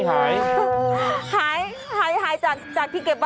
หายจากที่กำลังให้